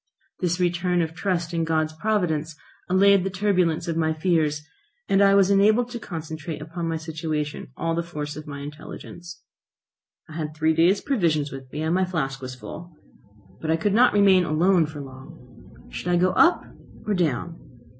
This return of trust in God's providence allayed the turbulence of my fears, and I was enabled to concentrate upon my situation all the force of my intelligence. I had three days' provisions with me and my flask was full. But I could not remain alone for long. Should I go up or down?